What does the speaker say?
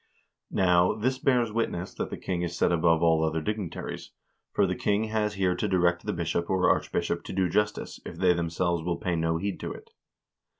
Now, this bears witness that the king is set above all other dignitaries ; for the king has here to direct the bishop or archbishop to do justice, if they themselves will pay no heed to it.